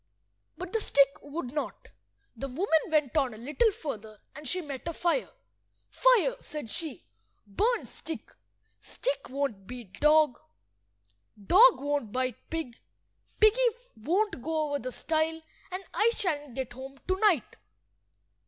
But the stick would not. The woman went on a little further, and she met a fire. "Fire," said she, "burn stick. Stick won't beat dog, dog won't bite pig, piggy won't go over the stile, and I shan't get home to–night."